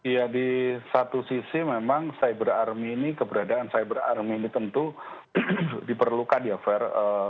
ya di satu sisi memang cyber army ini keberadaan cyber army ini tentu diperlukan ya fair